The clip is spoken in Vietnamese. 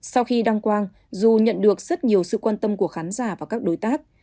sau khi đăng quang dù nhận được rất nhiều sự quan tâm của khán giả và các đối tác